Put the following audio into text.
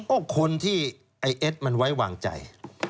ก็คนที่ไอ้เอ็ดมันไว้วางใจ